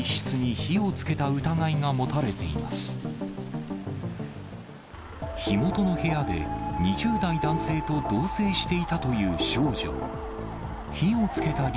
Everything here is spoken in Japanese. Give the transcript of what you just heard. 火元の部屋で２０代男性と同せいしていたという少女。